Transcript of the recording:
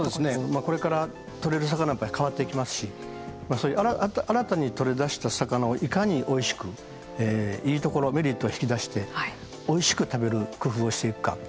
まあこれから取れる魚やっぱり変わっていきますし新たに取れだした魚をいかにおいしくいいところメリットを引き出しておいしく食べる工夫をしていくか。